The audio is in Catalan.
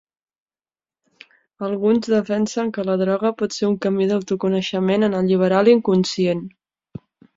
Alguns defensen que la droga pot ser un camí d'autoconeixement en alliberar l'inconscient.